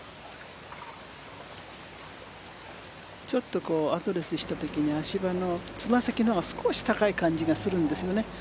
ちょっとアドレスしたときに足場のつま先の方が少し高い感じがするんですよね。